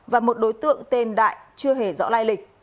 và một đối tượng tên đại chưa hề rõ lai lịch